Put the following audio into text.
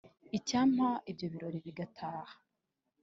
icyampa ibyo birori bigataha